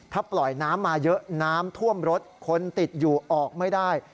ถ้าปล่อยน้ำมาเยอะน้ำท่วมรถคนติดอยู่ออกไม่ได้